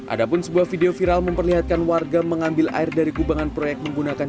ada pun sebuah video viral memperlihatkan warga mengambil air dari kubangan proyek menggunakan